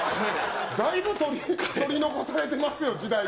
だいぶ取り残されてますよ、時代に。